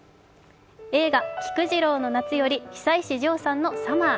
映画「菊次郎の夏」より久石譲さんの「Ｓｕｍｍｅｒ」。